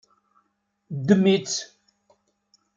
Ddem-itt.